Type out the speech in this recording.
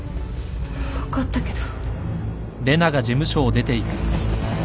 分かったけど。